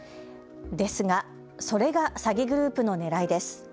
ですがそれが詐欺グループのねらいです。